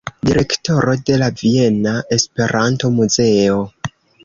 Direktoro de la viena Esperanto-muzeo.